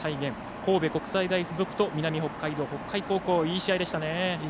神戸国際大付属と南北海道北海高校、いい試合でしたね。